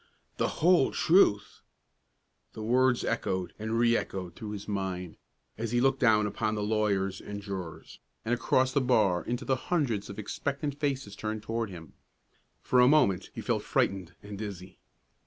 The whole truth! The words echoed and re echoed through his mind, as he looked down upon the lawyers and jurors, and across the bar into the hundreds of expectant faces turned toward him. For a moment he felt frightened and dizzy.